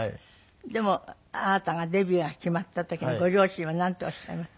でもあなたがデビューが決まった時にご両親はなんとおっしゃいました？